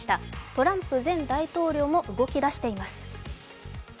トランプ前大統領も動き出しています。